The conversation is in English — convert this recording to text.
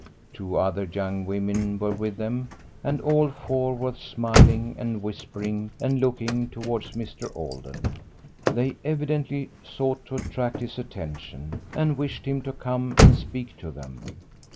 Two other young women were with them and all four were smiling and whispering and looking towards Mr. Alden. They evidently sought to attract his attention, and wished him to come and speak to them.